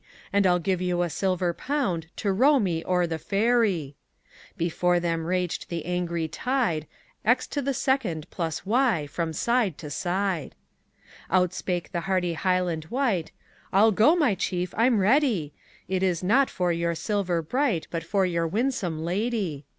And I'll give you a silver pound To row me o'er the ferry." Before them raged the angry tide X2 + Y from side to side. Outspake the hardy Highland wight, "I'll go, my chief, I'm ready; It is not for your silver bright, But for your winsome lady."